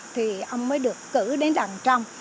thì ông mới được cử đến đảng trong